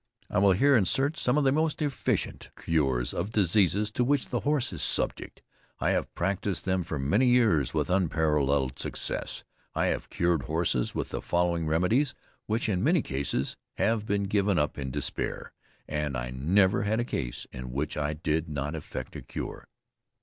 I will here insert some of the most efficient cures of diseases to which the horse is subject. I have practised them for many years with unparalleled success. I have cured horses with the following remedies, which, (in many cases,) have been given up in despair, and I never had a case in which I did not effect a cure.